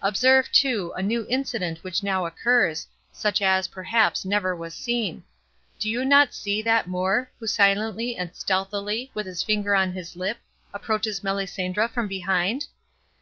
Observe, too, a new incident which now occurs, such as, perhaps, never was seen. Do you not see that Moor, who silently and stealthily, with his finger on his lip, approaches Melisendra from behind?